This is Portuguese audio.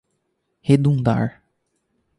redundar